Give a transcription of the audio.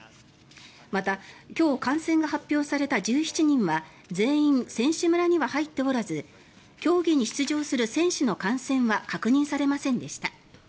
また、今日感染が発表された１７人は全員選手村には入っておらず競技に出場する選手の感染は確認されませんでした。